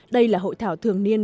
đây là hội thảo thường niên